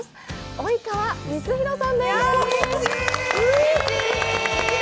及川光博さんです。